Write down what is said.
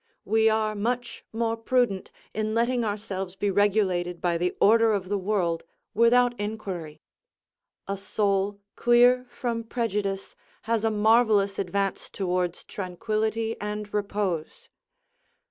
We are much more prudent, in letting ourselves be regulated by the order of the world, without inquiry. A soul clear from prejudice has a marvellous advance towards tranquillity and repose.